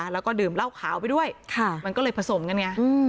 แล้วก็ดื่มเหล้าขาวไปด้วยมันก็เลยผสมกันไง